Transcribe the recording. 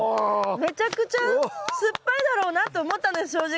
めちゃくちゃ酸っぱいだろうなって思ったんです正直。